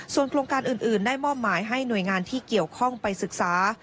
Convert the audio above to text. ส่วนโครงการอื่นได้มอบหมายให้หน่วยงานที่เกี่ยวข้องไปศึกษา